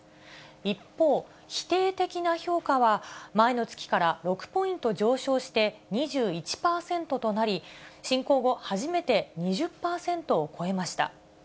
一方、否定的な評価は前の月から６ポイント上昇して２１％となり、侵攻後初めて２０％を超えました。